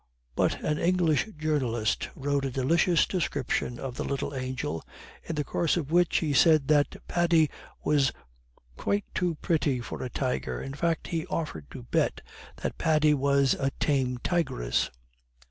But an English journalist wrote a delicious description of the little angel, in the course of which he said that Paddy was quite too pretty for a tiger; in fact, he offered to bet that Paddy was a tame tigress.